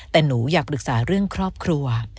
แต่หนูอยากปรึกษาเรื่องครอบครัว